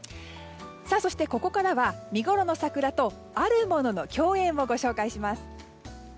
ここからは見ごろの桜とあるものの共演をご紹介します。